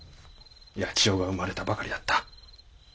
八千代が生まれたばかりだった。